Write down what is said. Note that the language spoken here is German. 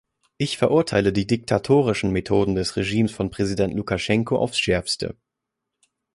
Ich verurteile die diktatorischen Methoden des Regimes von Präsident Lukaschenko aufs Schärfste.